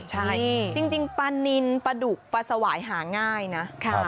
ใช่จริงปลานินปลาดุกปลาสวายหาง่ายนะ